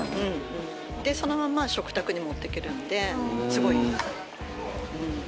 そのまま食卓に持っていけるのですごいいいです。